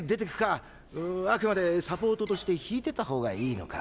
あくまでサポートとして引いてたほうがいいのか。